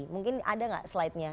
mungkin ada nggak slidenya